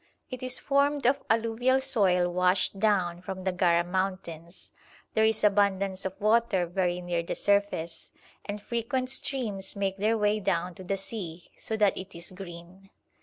It is formed of alluvial soil washed down from the Gara mountains; there is abundance of water very near the surface, and frequent streams make their way down to the sea, so that it is green.